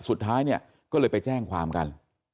สุดท้ายเนี่ยก็เลยไปแจ้งความกัน